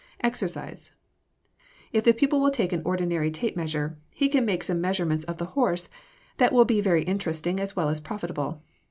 EXERCISE If the pupil will take an ordinary tape measure, he can make some measurements of the horse that will be very interesting as well as profitable.